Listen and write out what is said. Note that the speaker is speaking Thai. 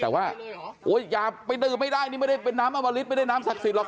แต่ว่าอย่าไปดื่มไม่ได้นี่ไม่ได้เป็นน้ำอมริตไม่ได้น้ำศักดิ์